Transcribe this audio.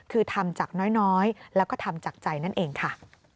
คือทำจากน้อยแล้วก็ทำจากใจนั่นเองค่ะ